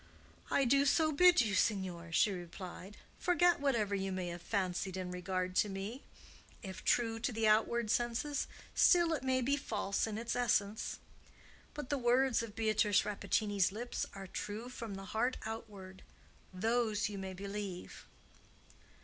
"I do so bid you, signor," she replied. "Forget whatever you may have fancied in regard to me. If true to the outward senses, still it may be false in its essence; but the words of Beatrice Rappaccini's lips are true from the depths of the heart outward. Those you may believe."